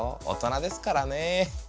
大人ですからね。